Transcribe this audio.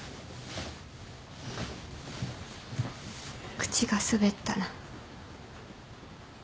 口が滑ったな。